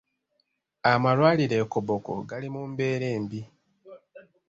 Amalwaliro e Koboko gali mu mbeera embi.